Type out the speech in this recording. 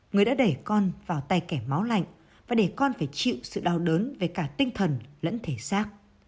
người đã đẩy con vào tay kẻ máu lạnh và để con phải chịu sự đau đớn về cả tinh thần lẫn thể xác